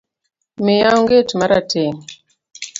Miya onget marateng